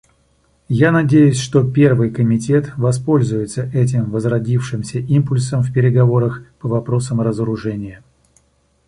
Я надеюсь, что Первый комитет воспользуется этим возродившимся импульсом в переговорах по вопросам разоружения.